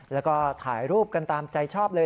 แล้วก็ถ่ายรูปกันตามใจชอบเลย